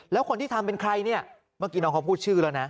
แล้วคนที่ทำเป็นใครเนี่ยเมื่อกี้น้องเขาพูดชื่อแล้วนะ